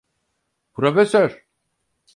Profesör!